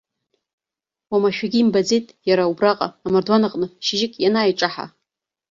Уамашәагьы имбаӡеит, иара убраҟа, амардуан аҟны, шьыжьык ианааиҿаҳа.